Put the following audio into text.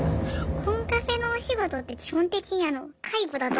コンカフェのお仕事って基本的に介護だと思ってて。